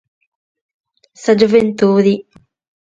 Sa gioventude.